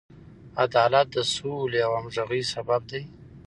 عدالت د سولې او همغږۍ سبب دی.